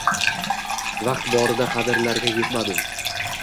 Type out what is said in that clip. Vaqt borida qadrlariga yetmadim.